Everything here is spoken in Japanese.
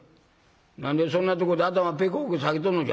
何でそんなとこで頭ペコペコ下げとんのじゃ。